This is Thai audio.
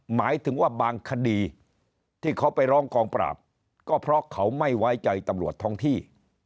หมายถึงว่าบางคดีที่เขาไปร้องกองปราบก็เพราะเขาไม่ไว้ใจตำรวจท้องที่